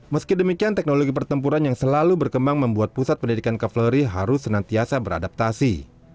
meski demikian teknologi pertempuran yang selalu berkembang membuat pusat pendidikan kavaleri harus senantiasa beradaptasi